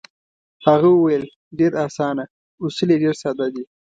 هغه وویل: ډېر اسانه، اصول یې ډېر ساده دي.